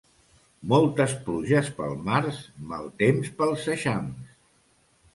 Moltes pluges pel març, mal temps pels eixams.